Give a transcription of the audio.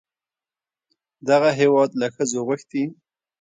دغه هېواد له ښځو غوښتي